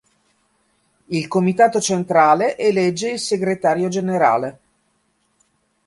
Il Comitato Centrale elegge il Segretario Generale.